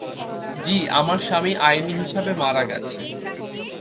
জ্বী, আমার স্বামী আইনি হিসাবে মারা গেছে।